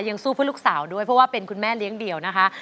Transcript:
ยังสู้เพื่อลูกสาวด้วยเพราะว่าเป็นคุณแม่เลี้ยงเดี่ยวนะคะ